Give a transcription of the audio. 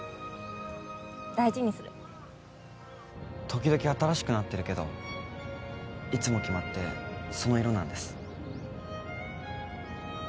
時々新しくなってるけどいつも決まってその色なんです。